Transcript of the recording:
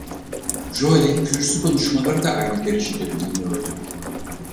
Joel'in kürsü konuşmaları da aynı derecede biliniyordu.